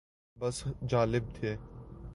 بس جالب تھے۔